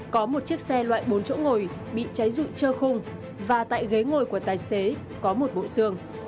có một chiếc xe loại bốn chỗ ngồi bị cháy rụi trơ khung và tại ghế ngồi của tài xế có một bộ xương